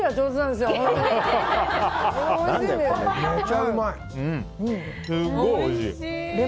すごいおいしい！